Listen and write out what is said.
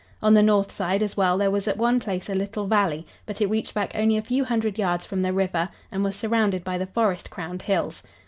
On the north side as well there was at one place a little valley, but it reached back only a few hundred yards from the river and was surrounded by the forest crowned hills.